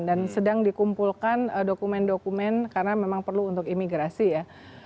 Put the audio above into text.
dan sedang dikumpulkan dokumen dokumen karena memang perlu untuk imigrasi ya